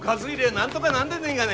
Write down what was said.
なんとがなんでねえがね？